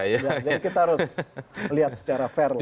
jadi kita harus lihat secara fair lah ya